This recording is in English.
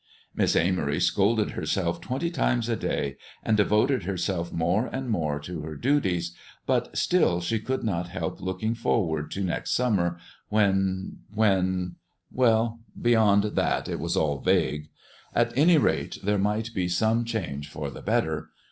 Miss Amory scolded herself twenty times a day, and devoted herself more and more to her duties, but still she could not help looking forward to next summer, when when well, beyond that it was all vague. At any rate, there might be some change for the better.